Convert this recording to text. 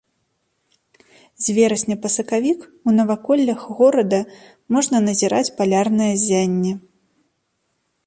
З верасня па сакавік у наваколлях горада можна назіраць палярнае ззянне.